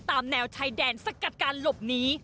ตามแนวชายแดนสกัดการหลบหนี